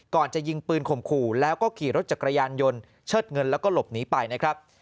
จะยิงปืนข่มขู่แล้วก็ขี่รถจักรยานยนต์เชิดเงินแล้วก็หลบหนีไปนะครับ